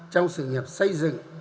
trong sự nghiệp xây dựng